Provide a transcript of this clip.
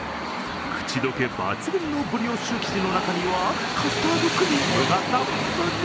口溶け抜群のブリオッシュ生地の中にはカスタードクリームがたっぷり。